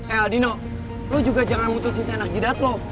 eh adino lo juga jangan putusin seorang jidat lo